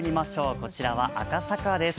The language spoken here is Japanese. こちらは赤坂です。